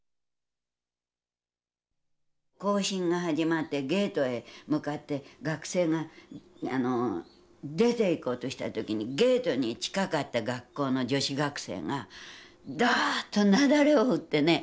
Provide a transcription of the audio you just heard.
行進が始まってゲートへ向かって学生が出ていこうとした時にゲートに近かった学校の女子学生がドッと雪崩を打ってね。